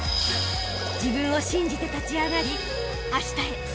［自分を信じて立ち上がりあしたへ